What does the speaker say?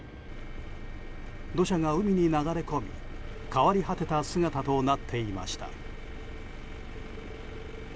土砂が海に流れ込み変わり果てた姿となっていました。